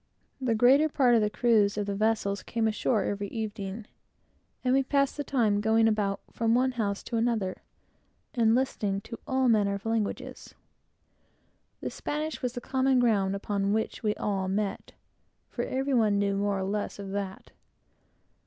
The greater part of the crews of the vessels came ashore every evening, and we passed the time in going about from one house to another, and listening to all manner of languages. The Spanish was the common ground upon which we all met; for every one knew more or less of that.